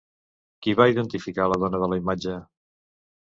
Qui va identificar la dona de la imatge?